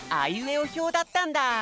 おひょうだったんだ。